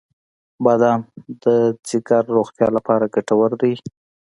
• بادام د جګر روغتیا لپاره ګټور دی.